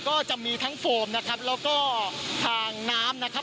ก็จะมีทั้งโฟมนะครับแล้วก็ทางน้ำนะครับ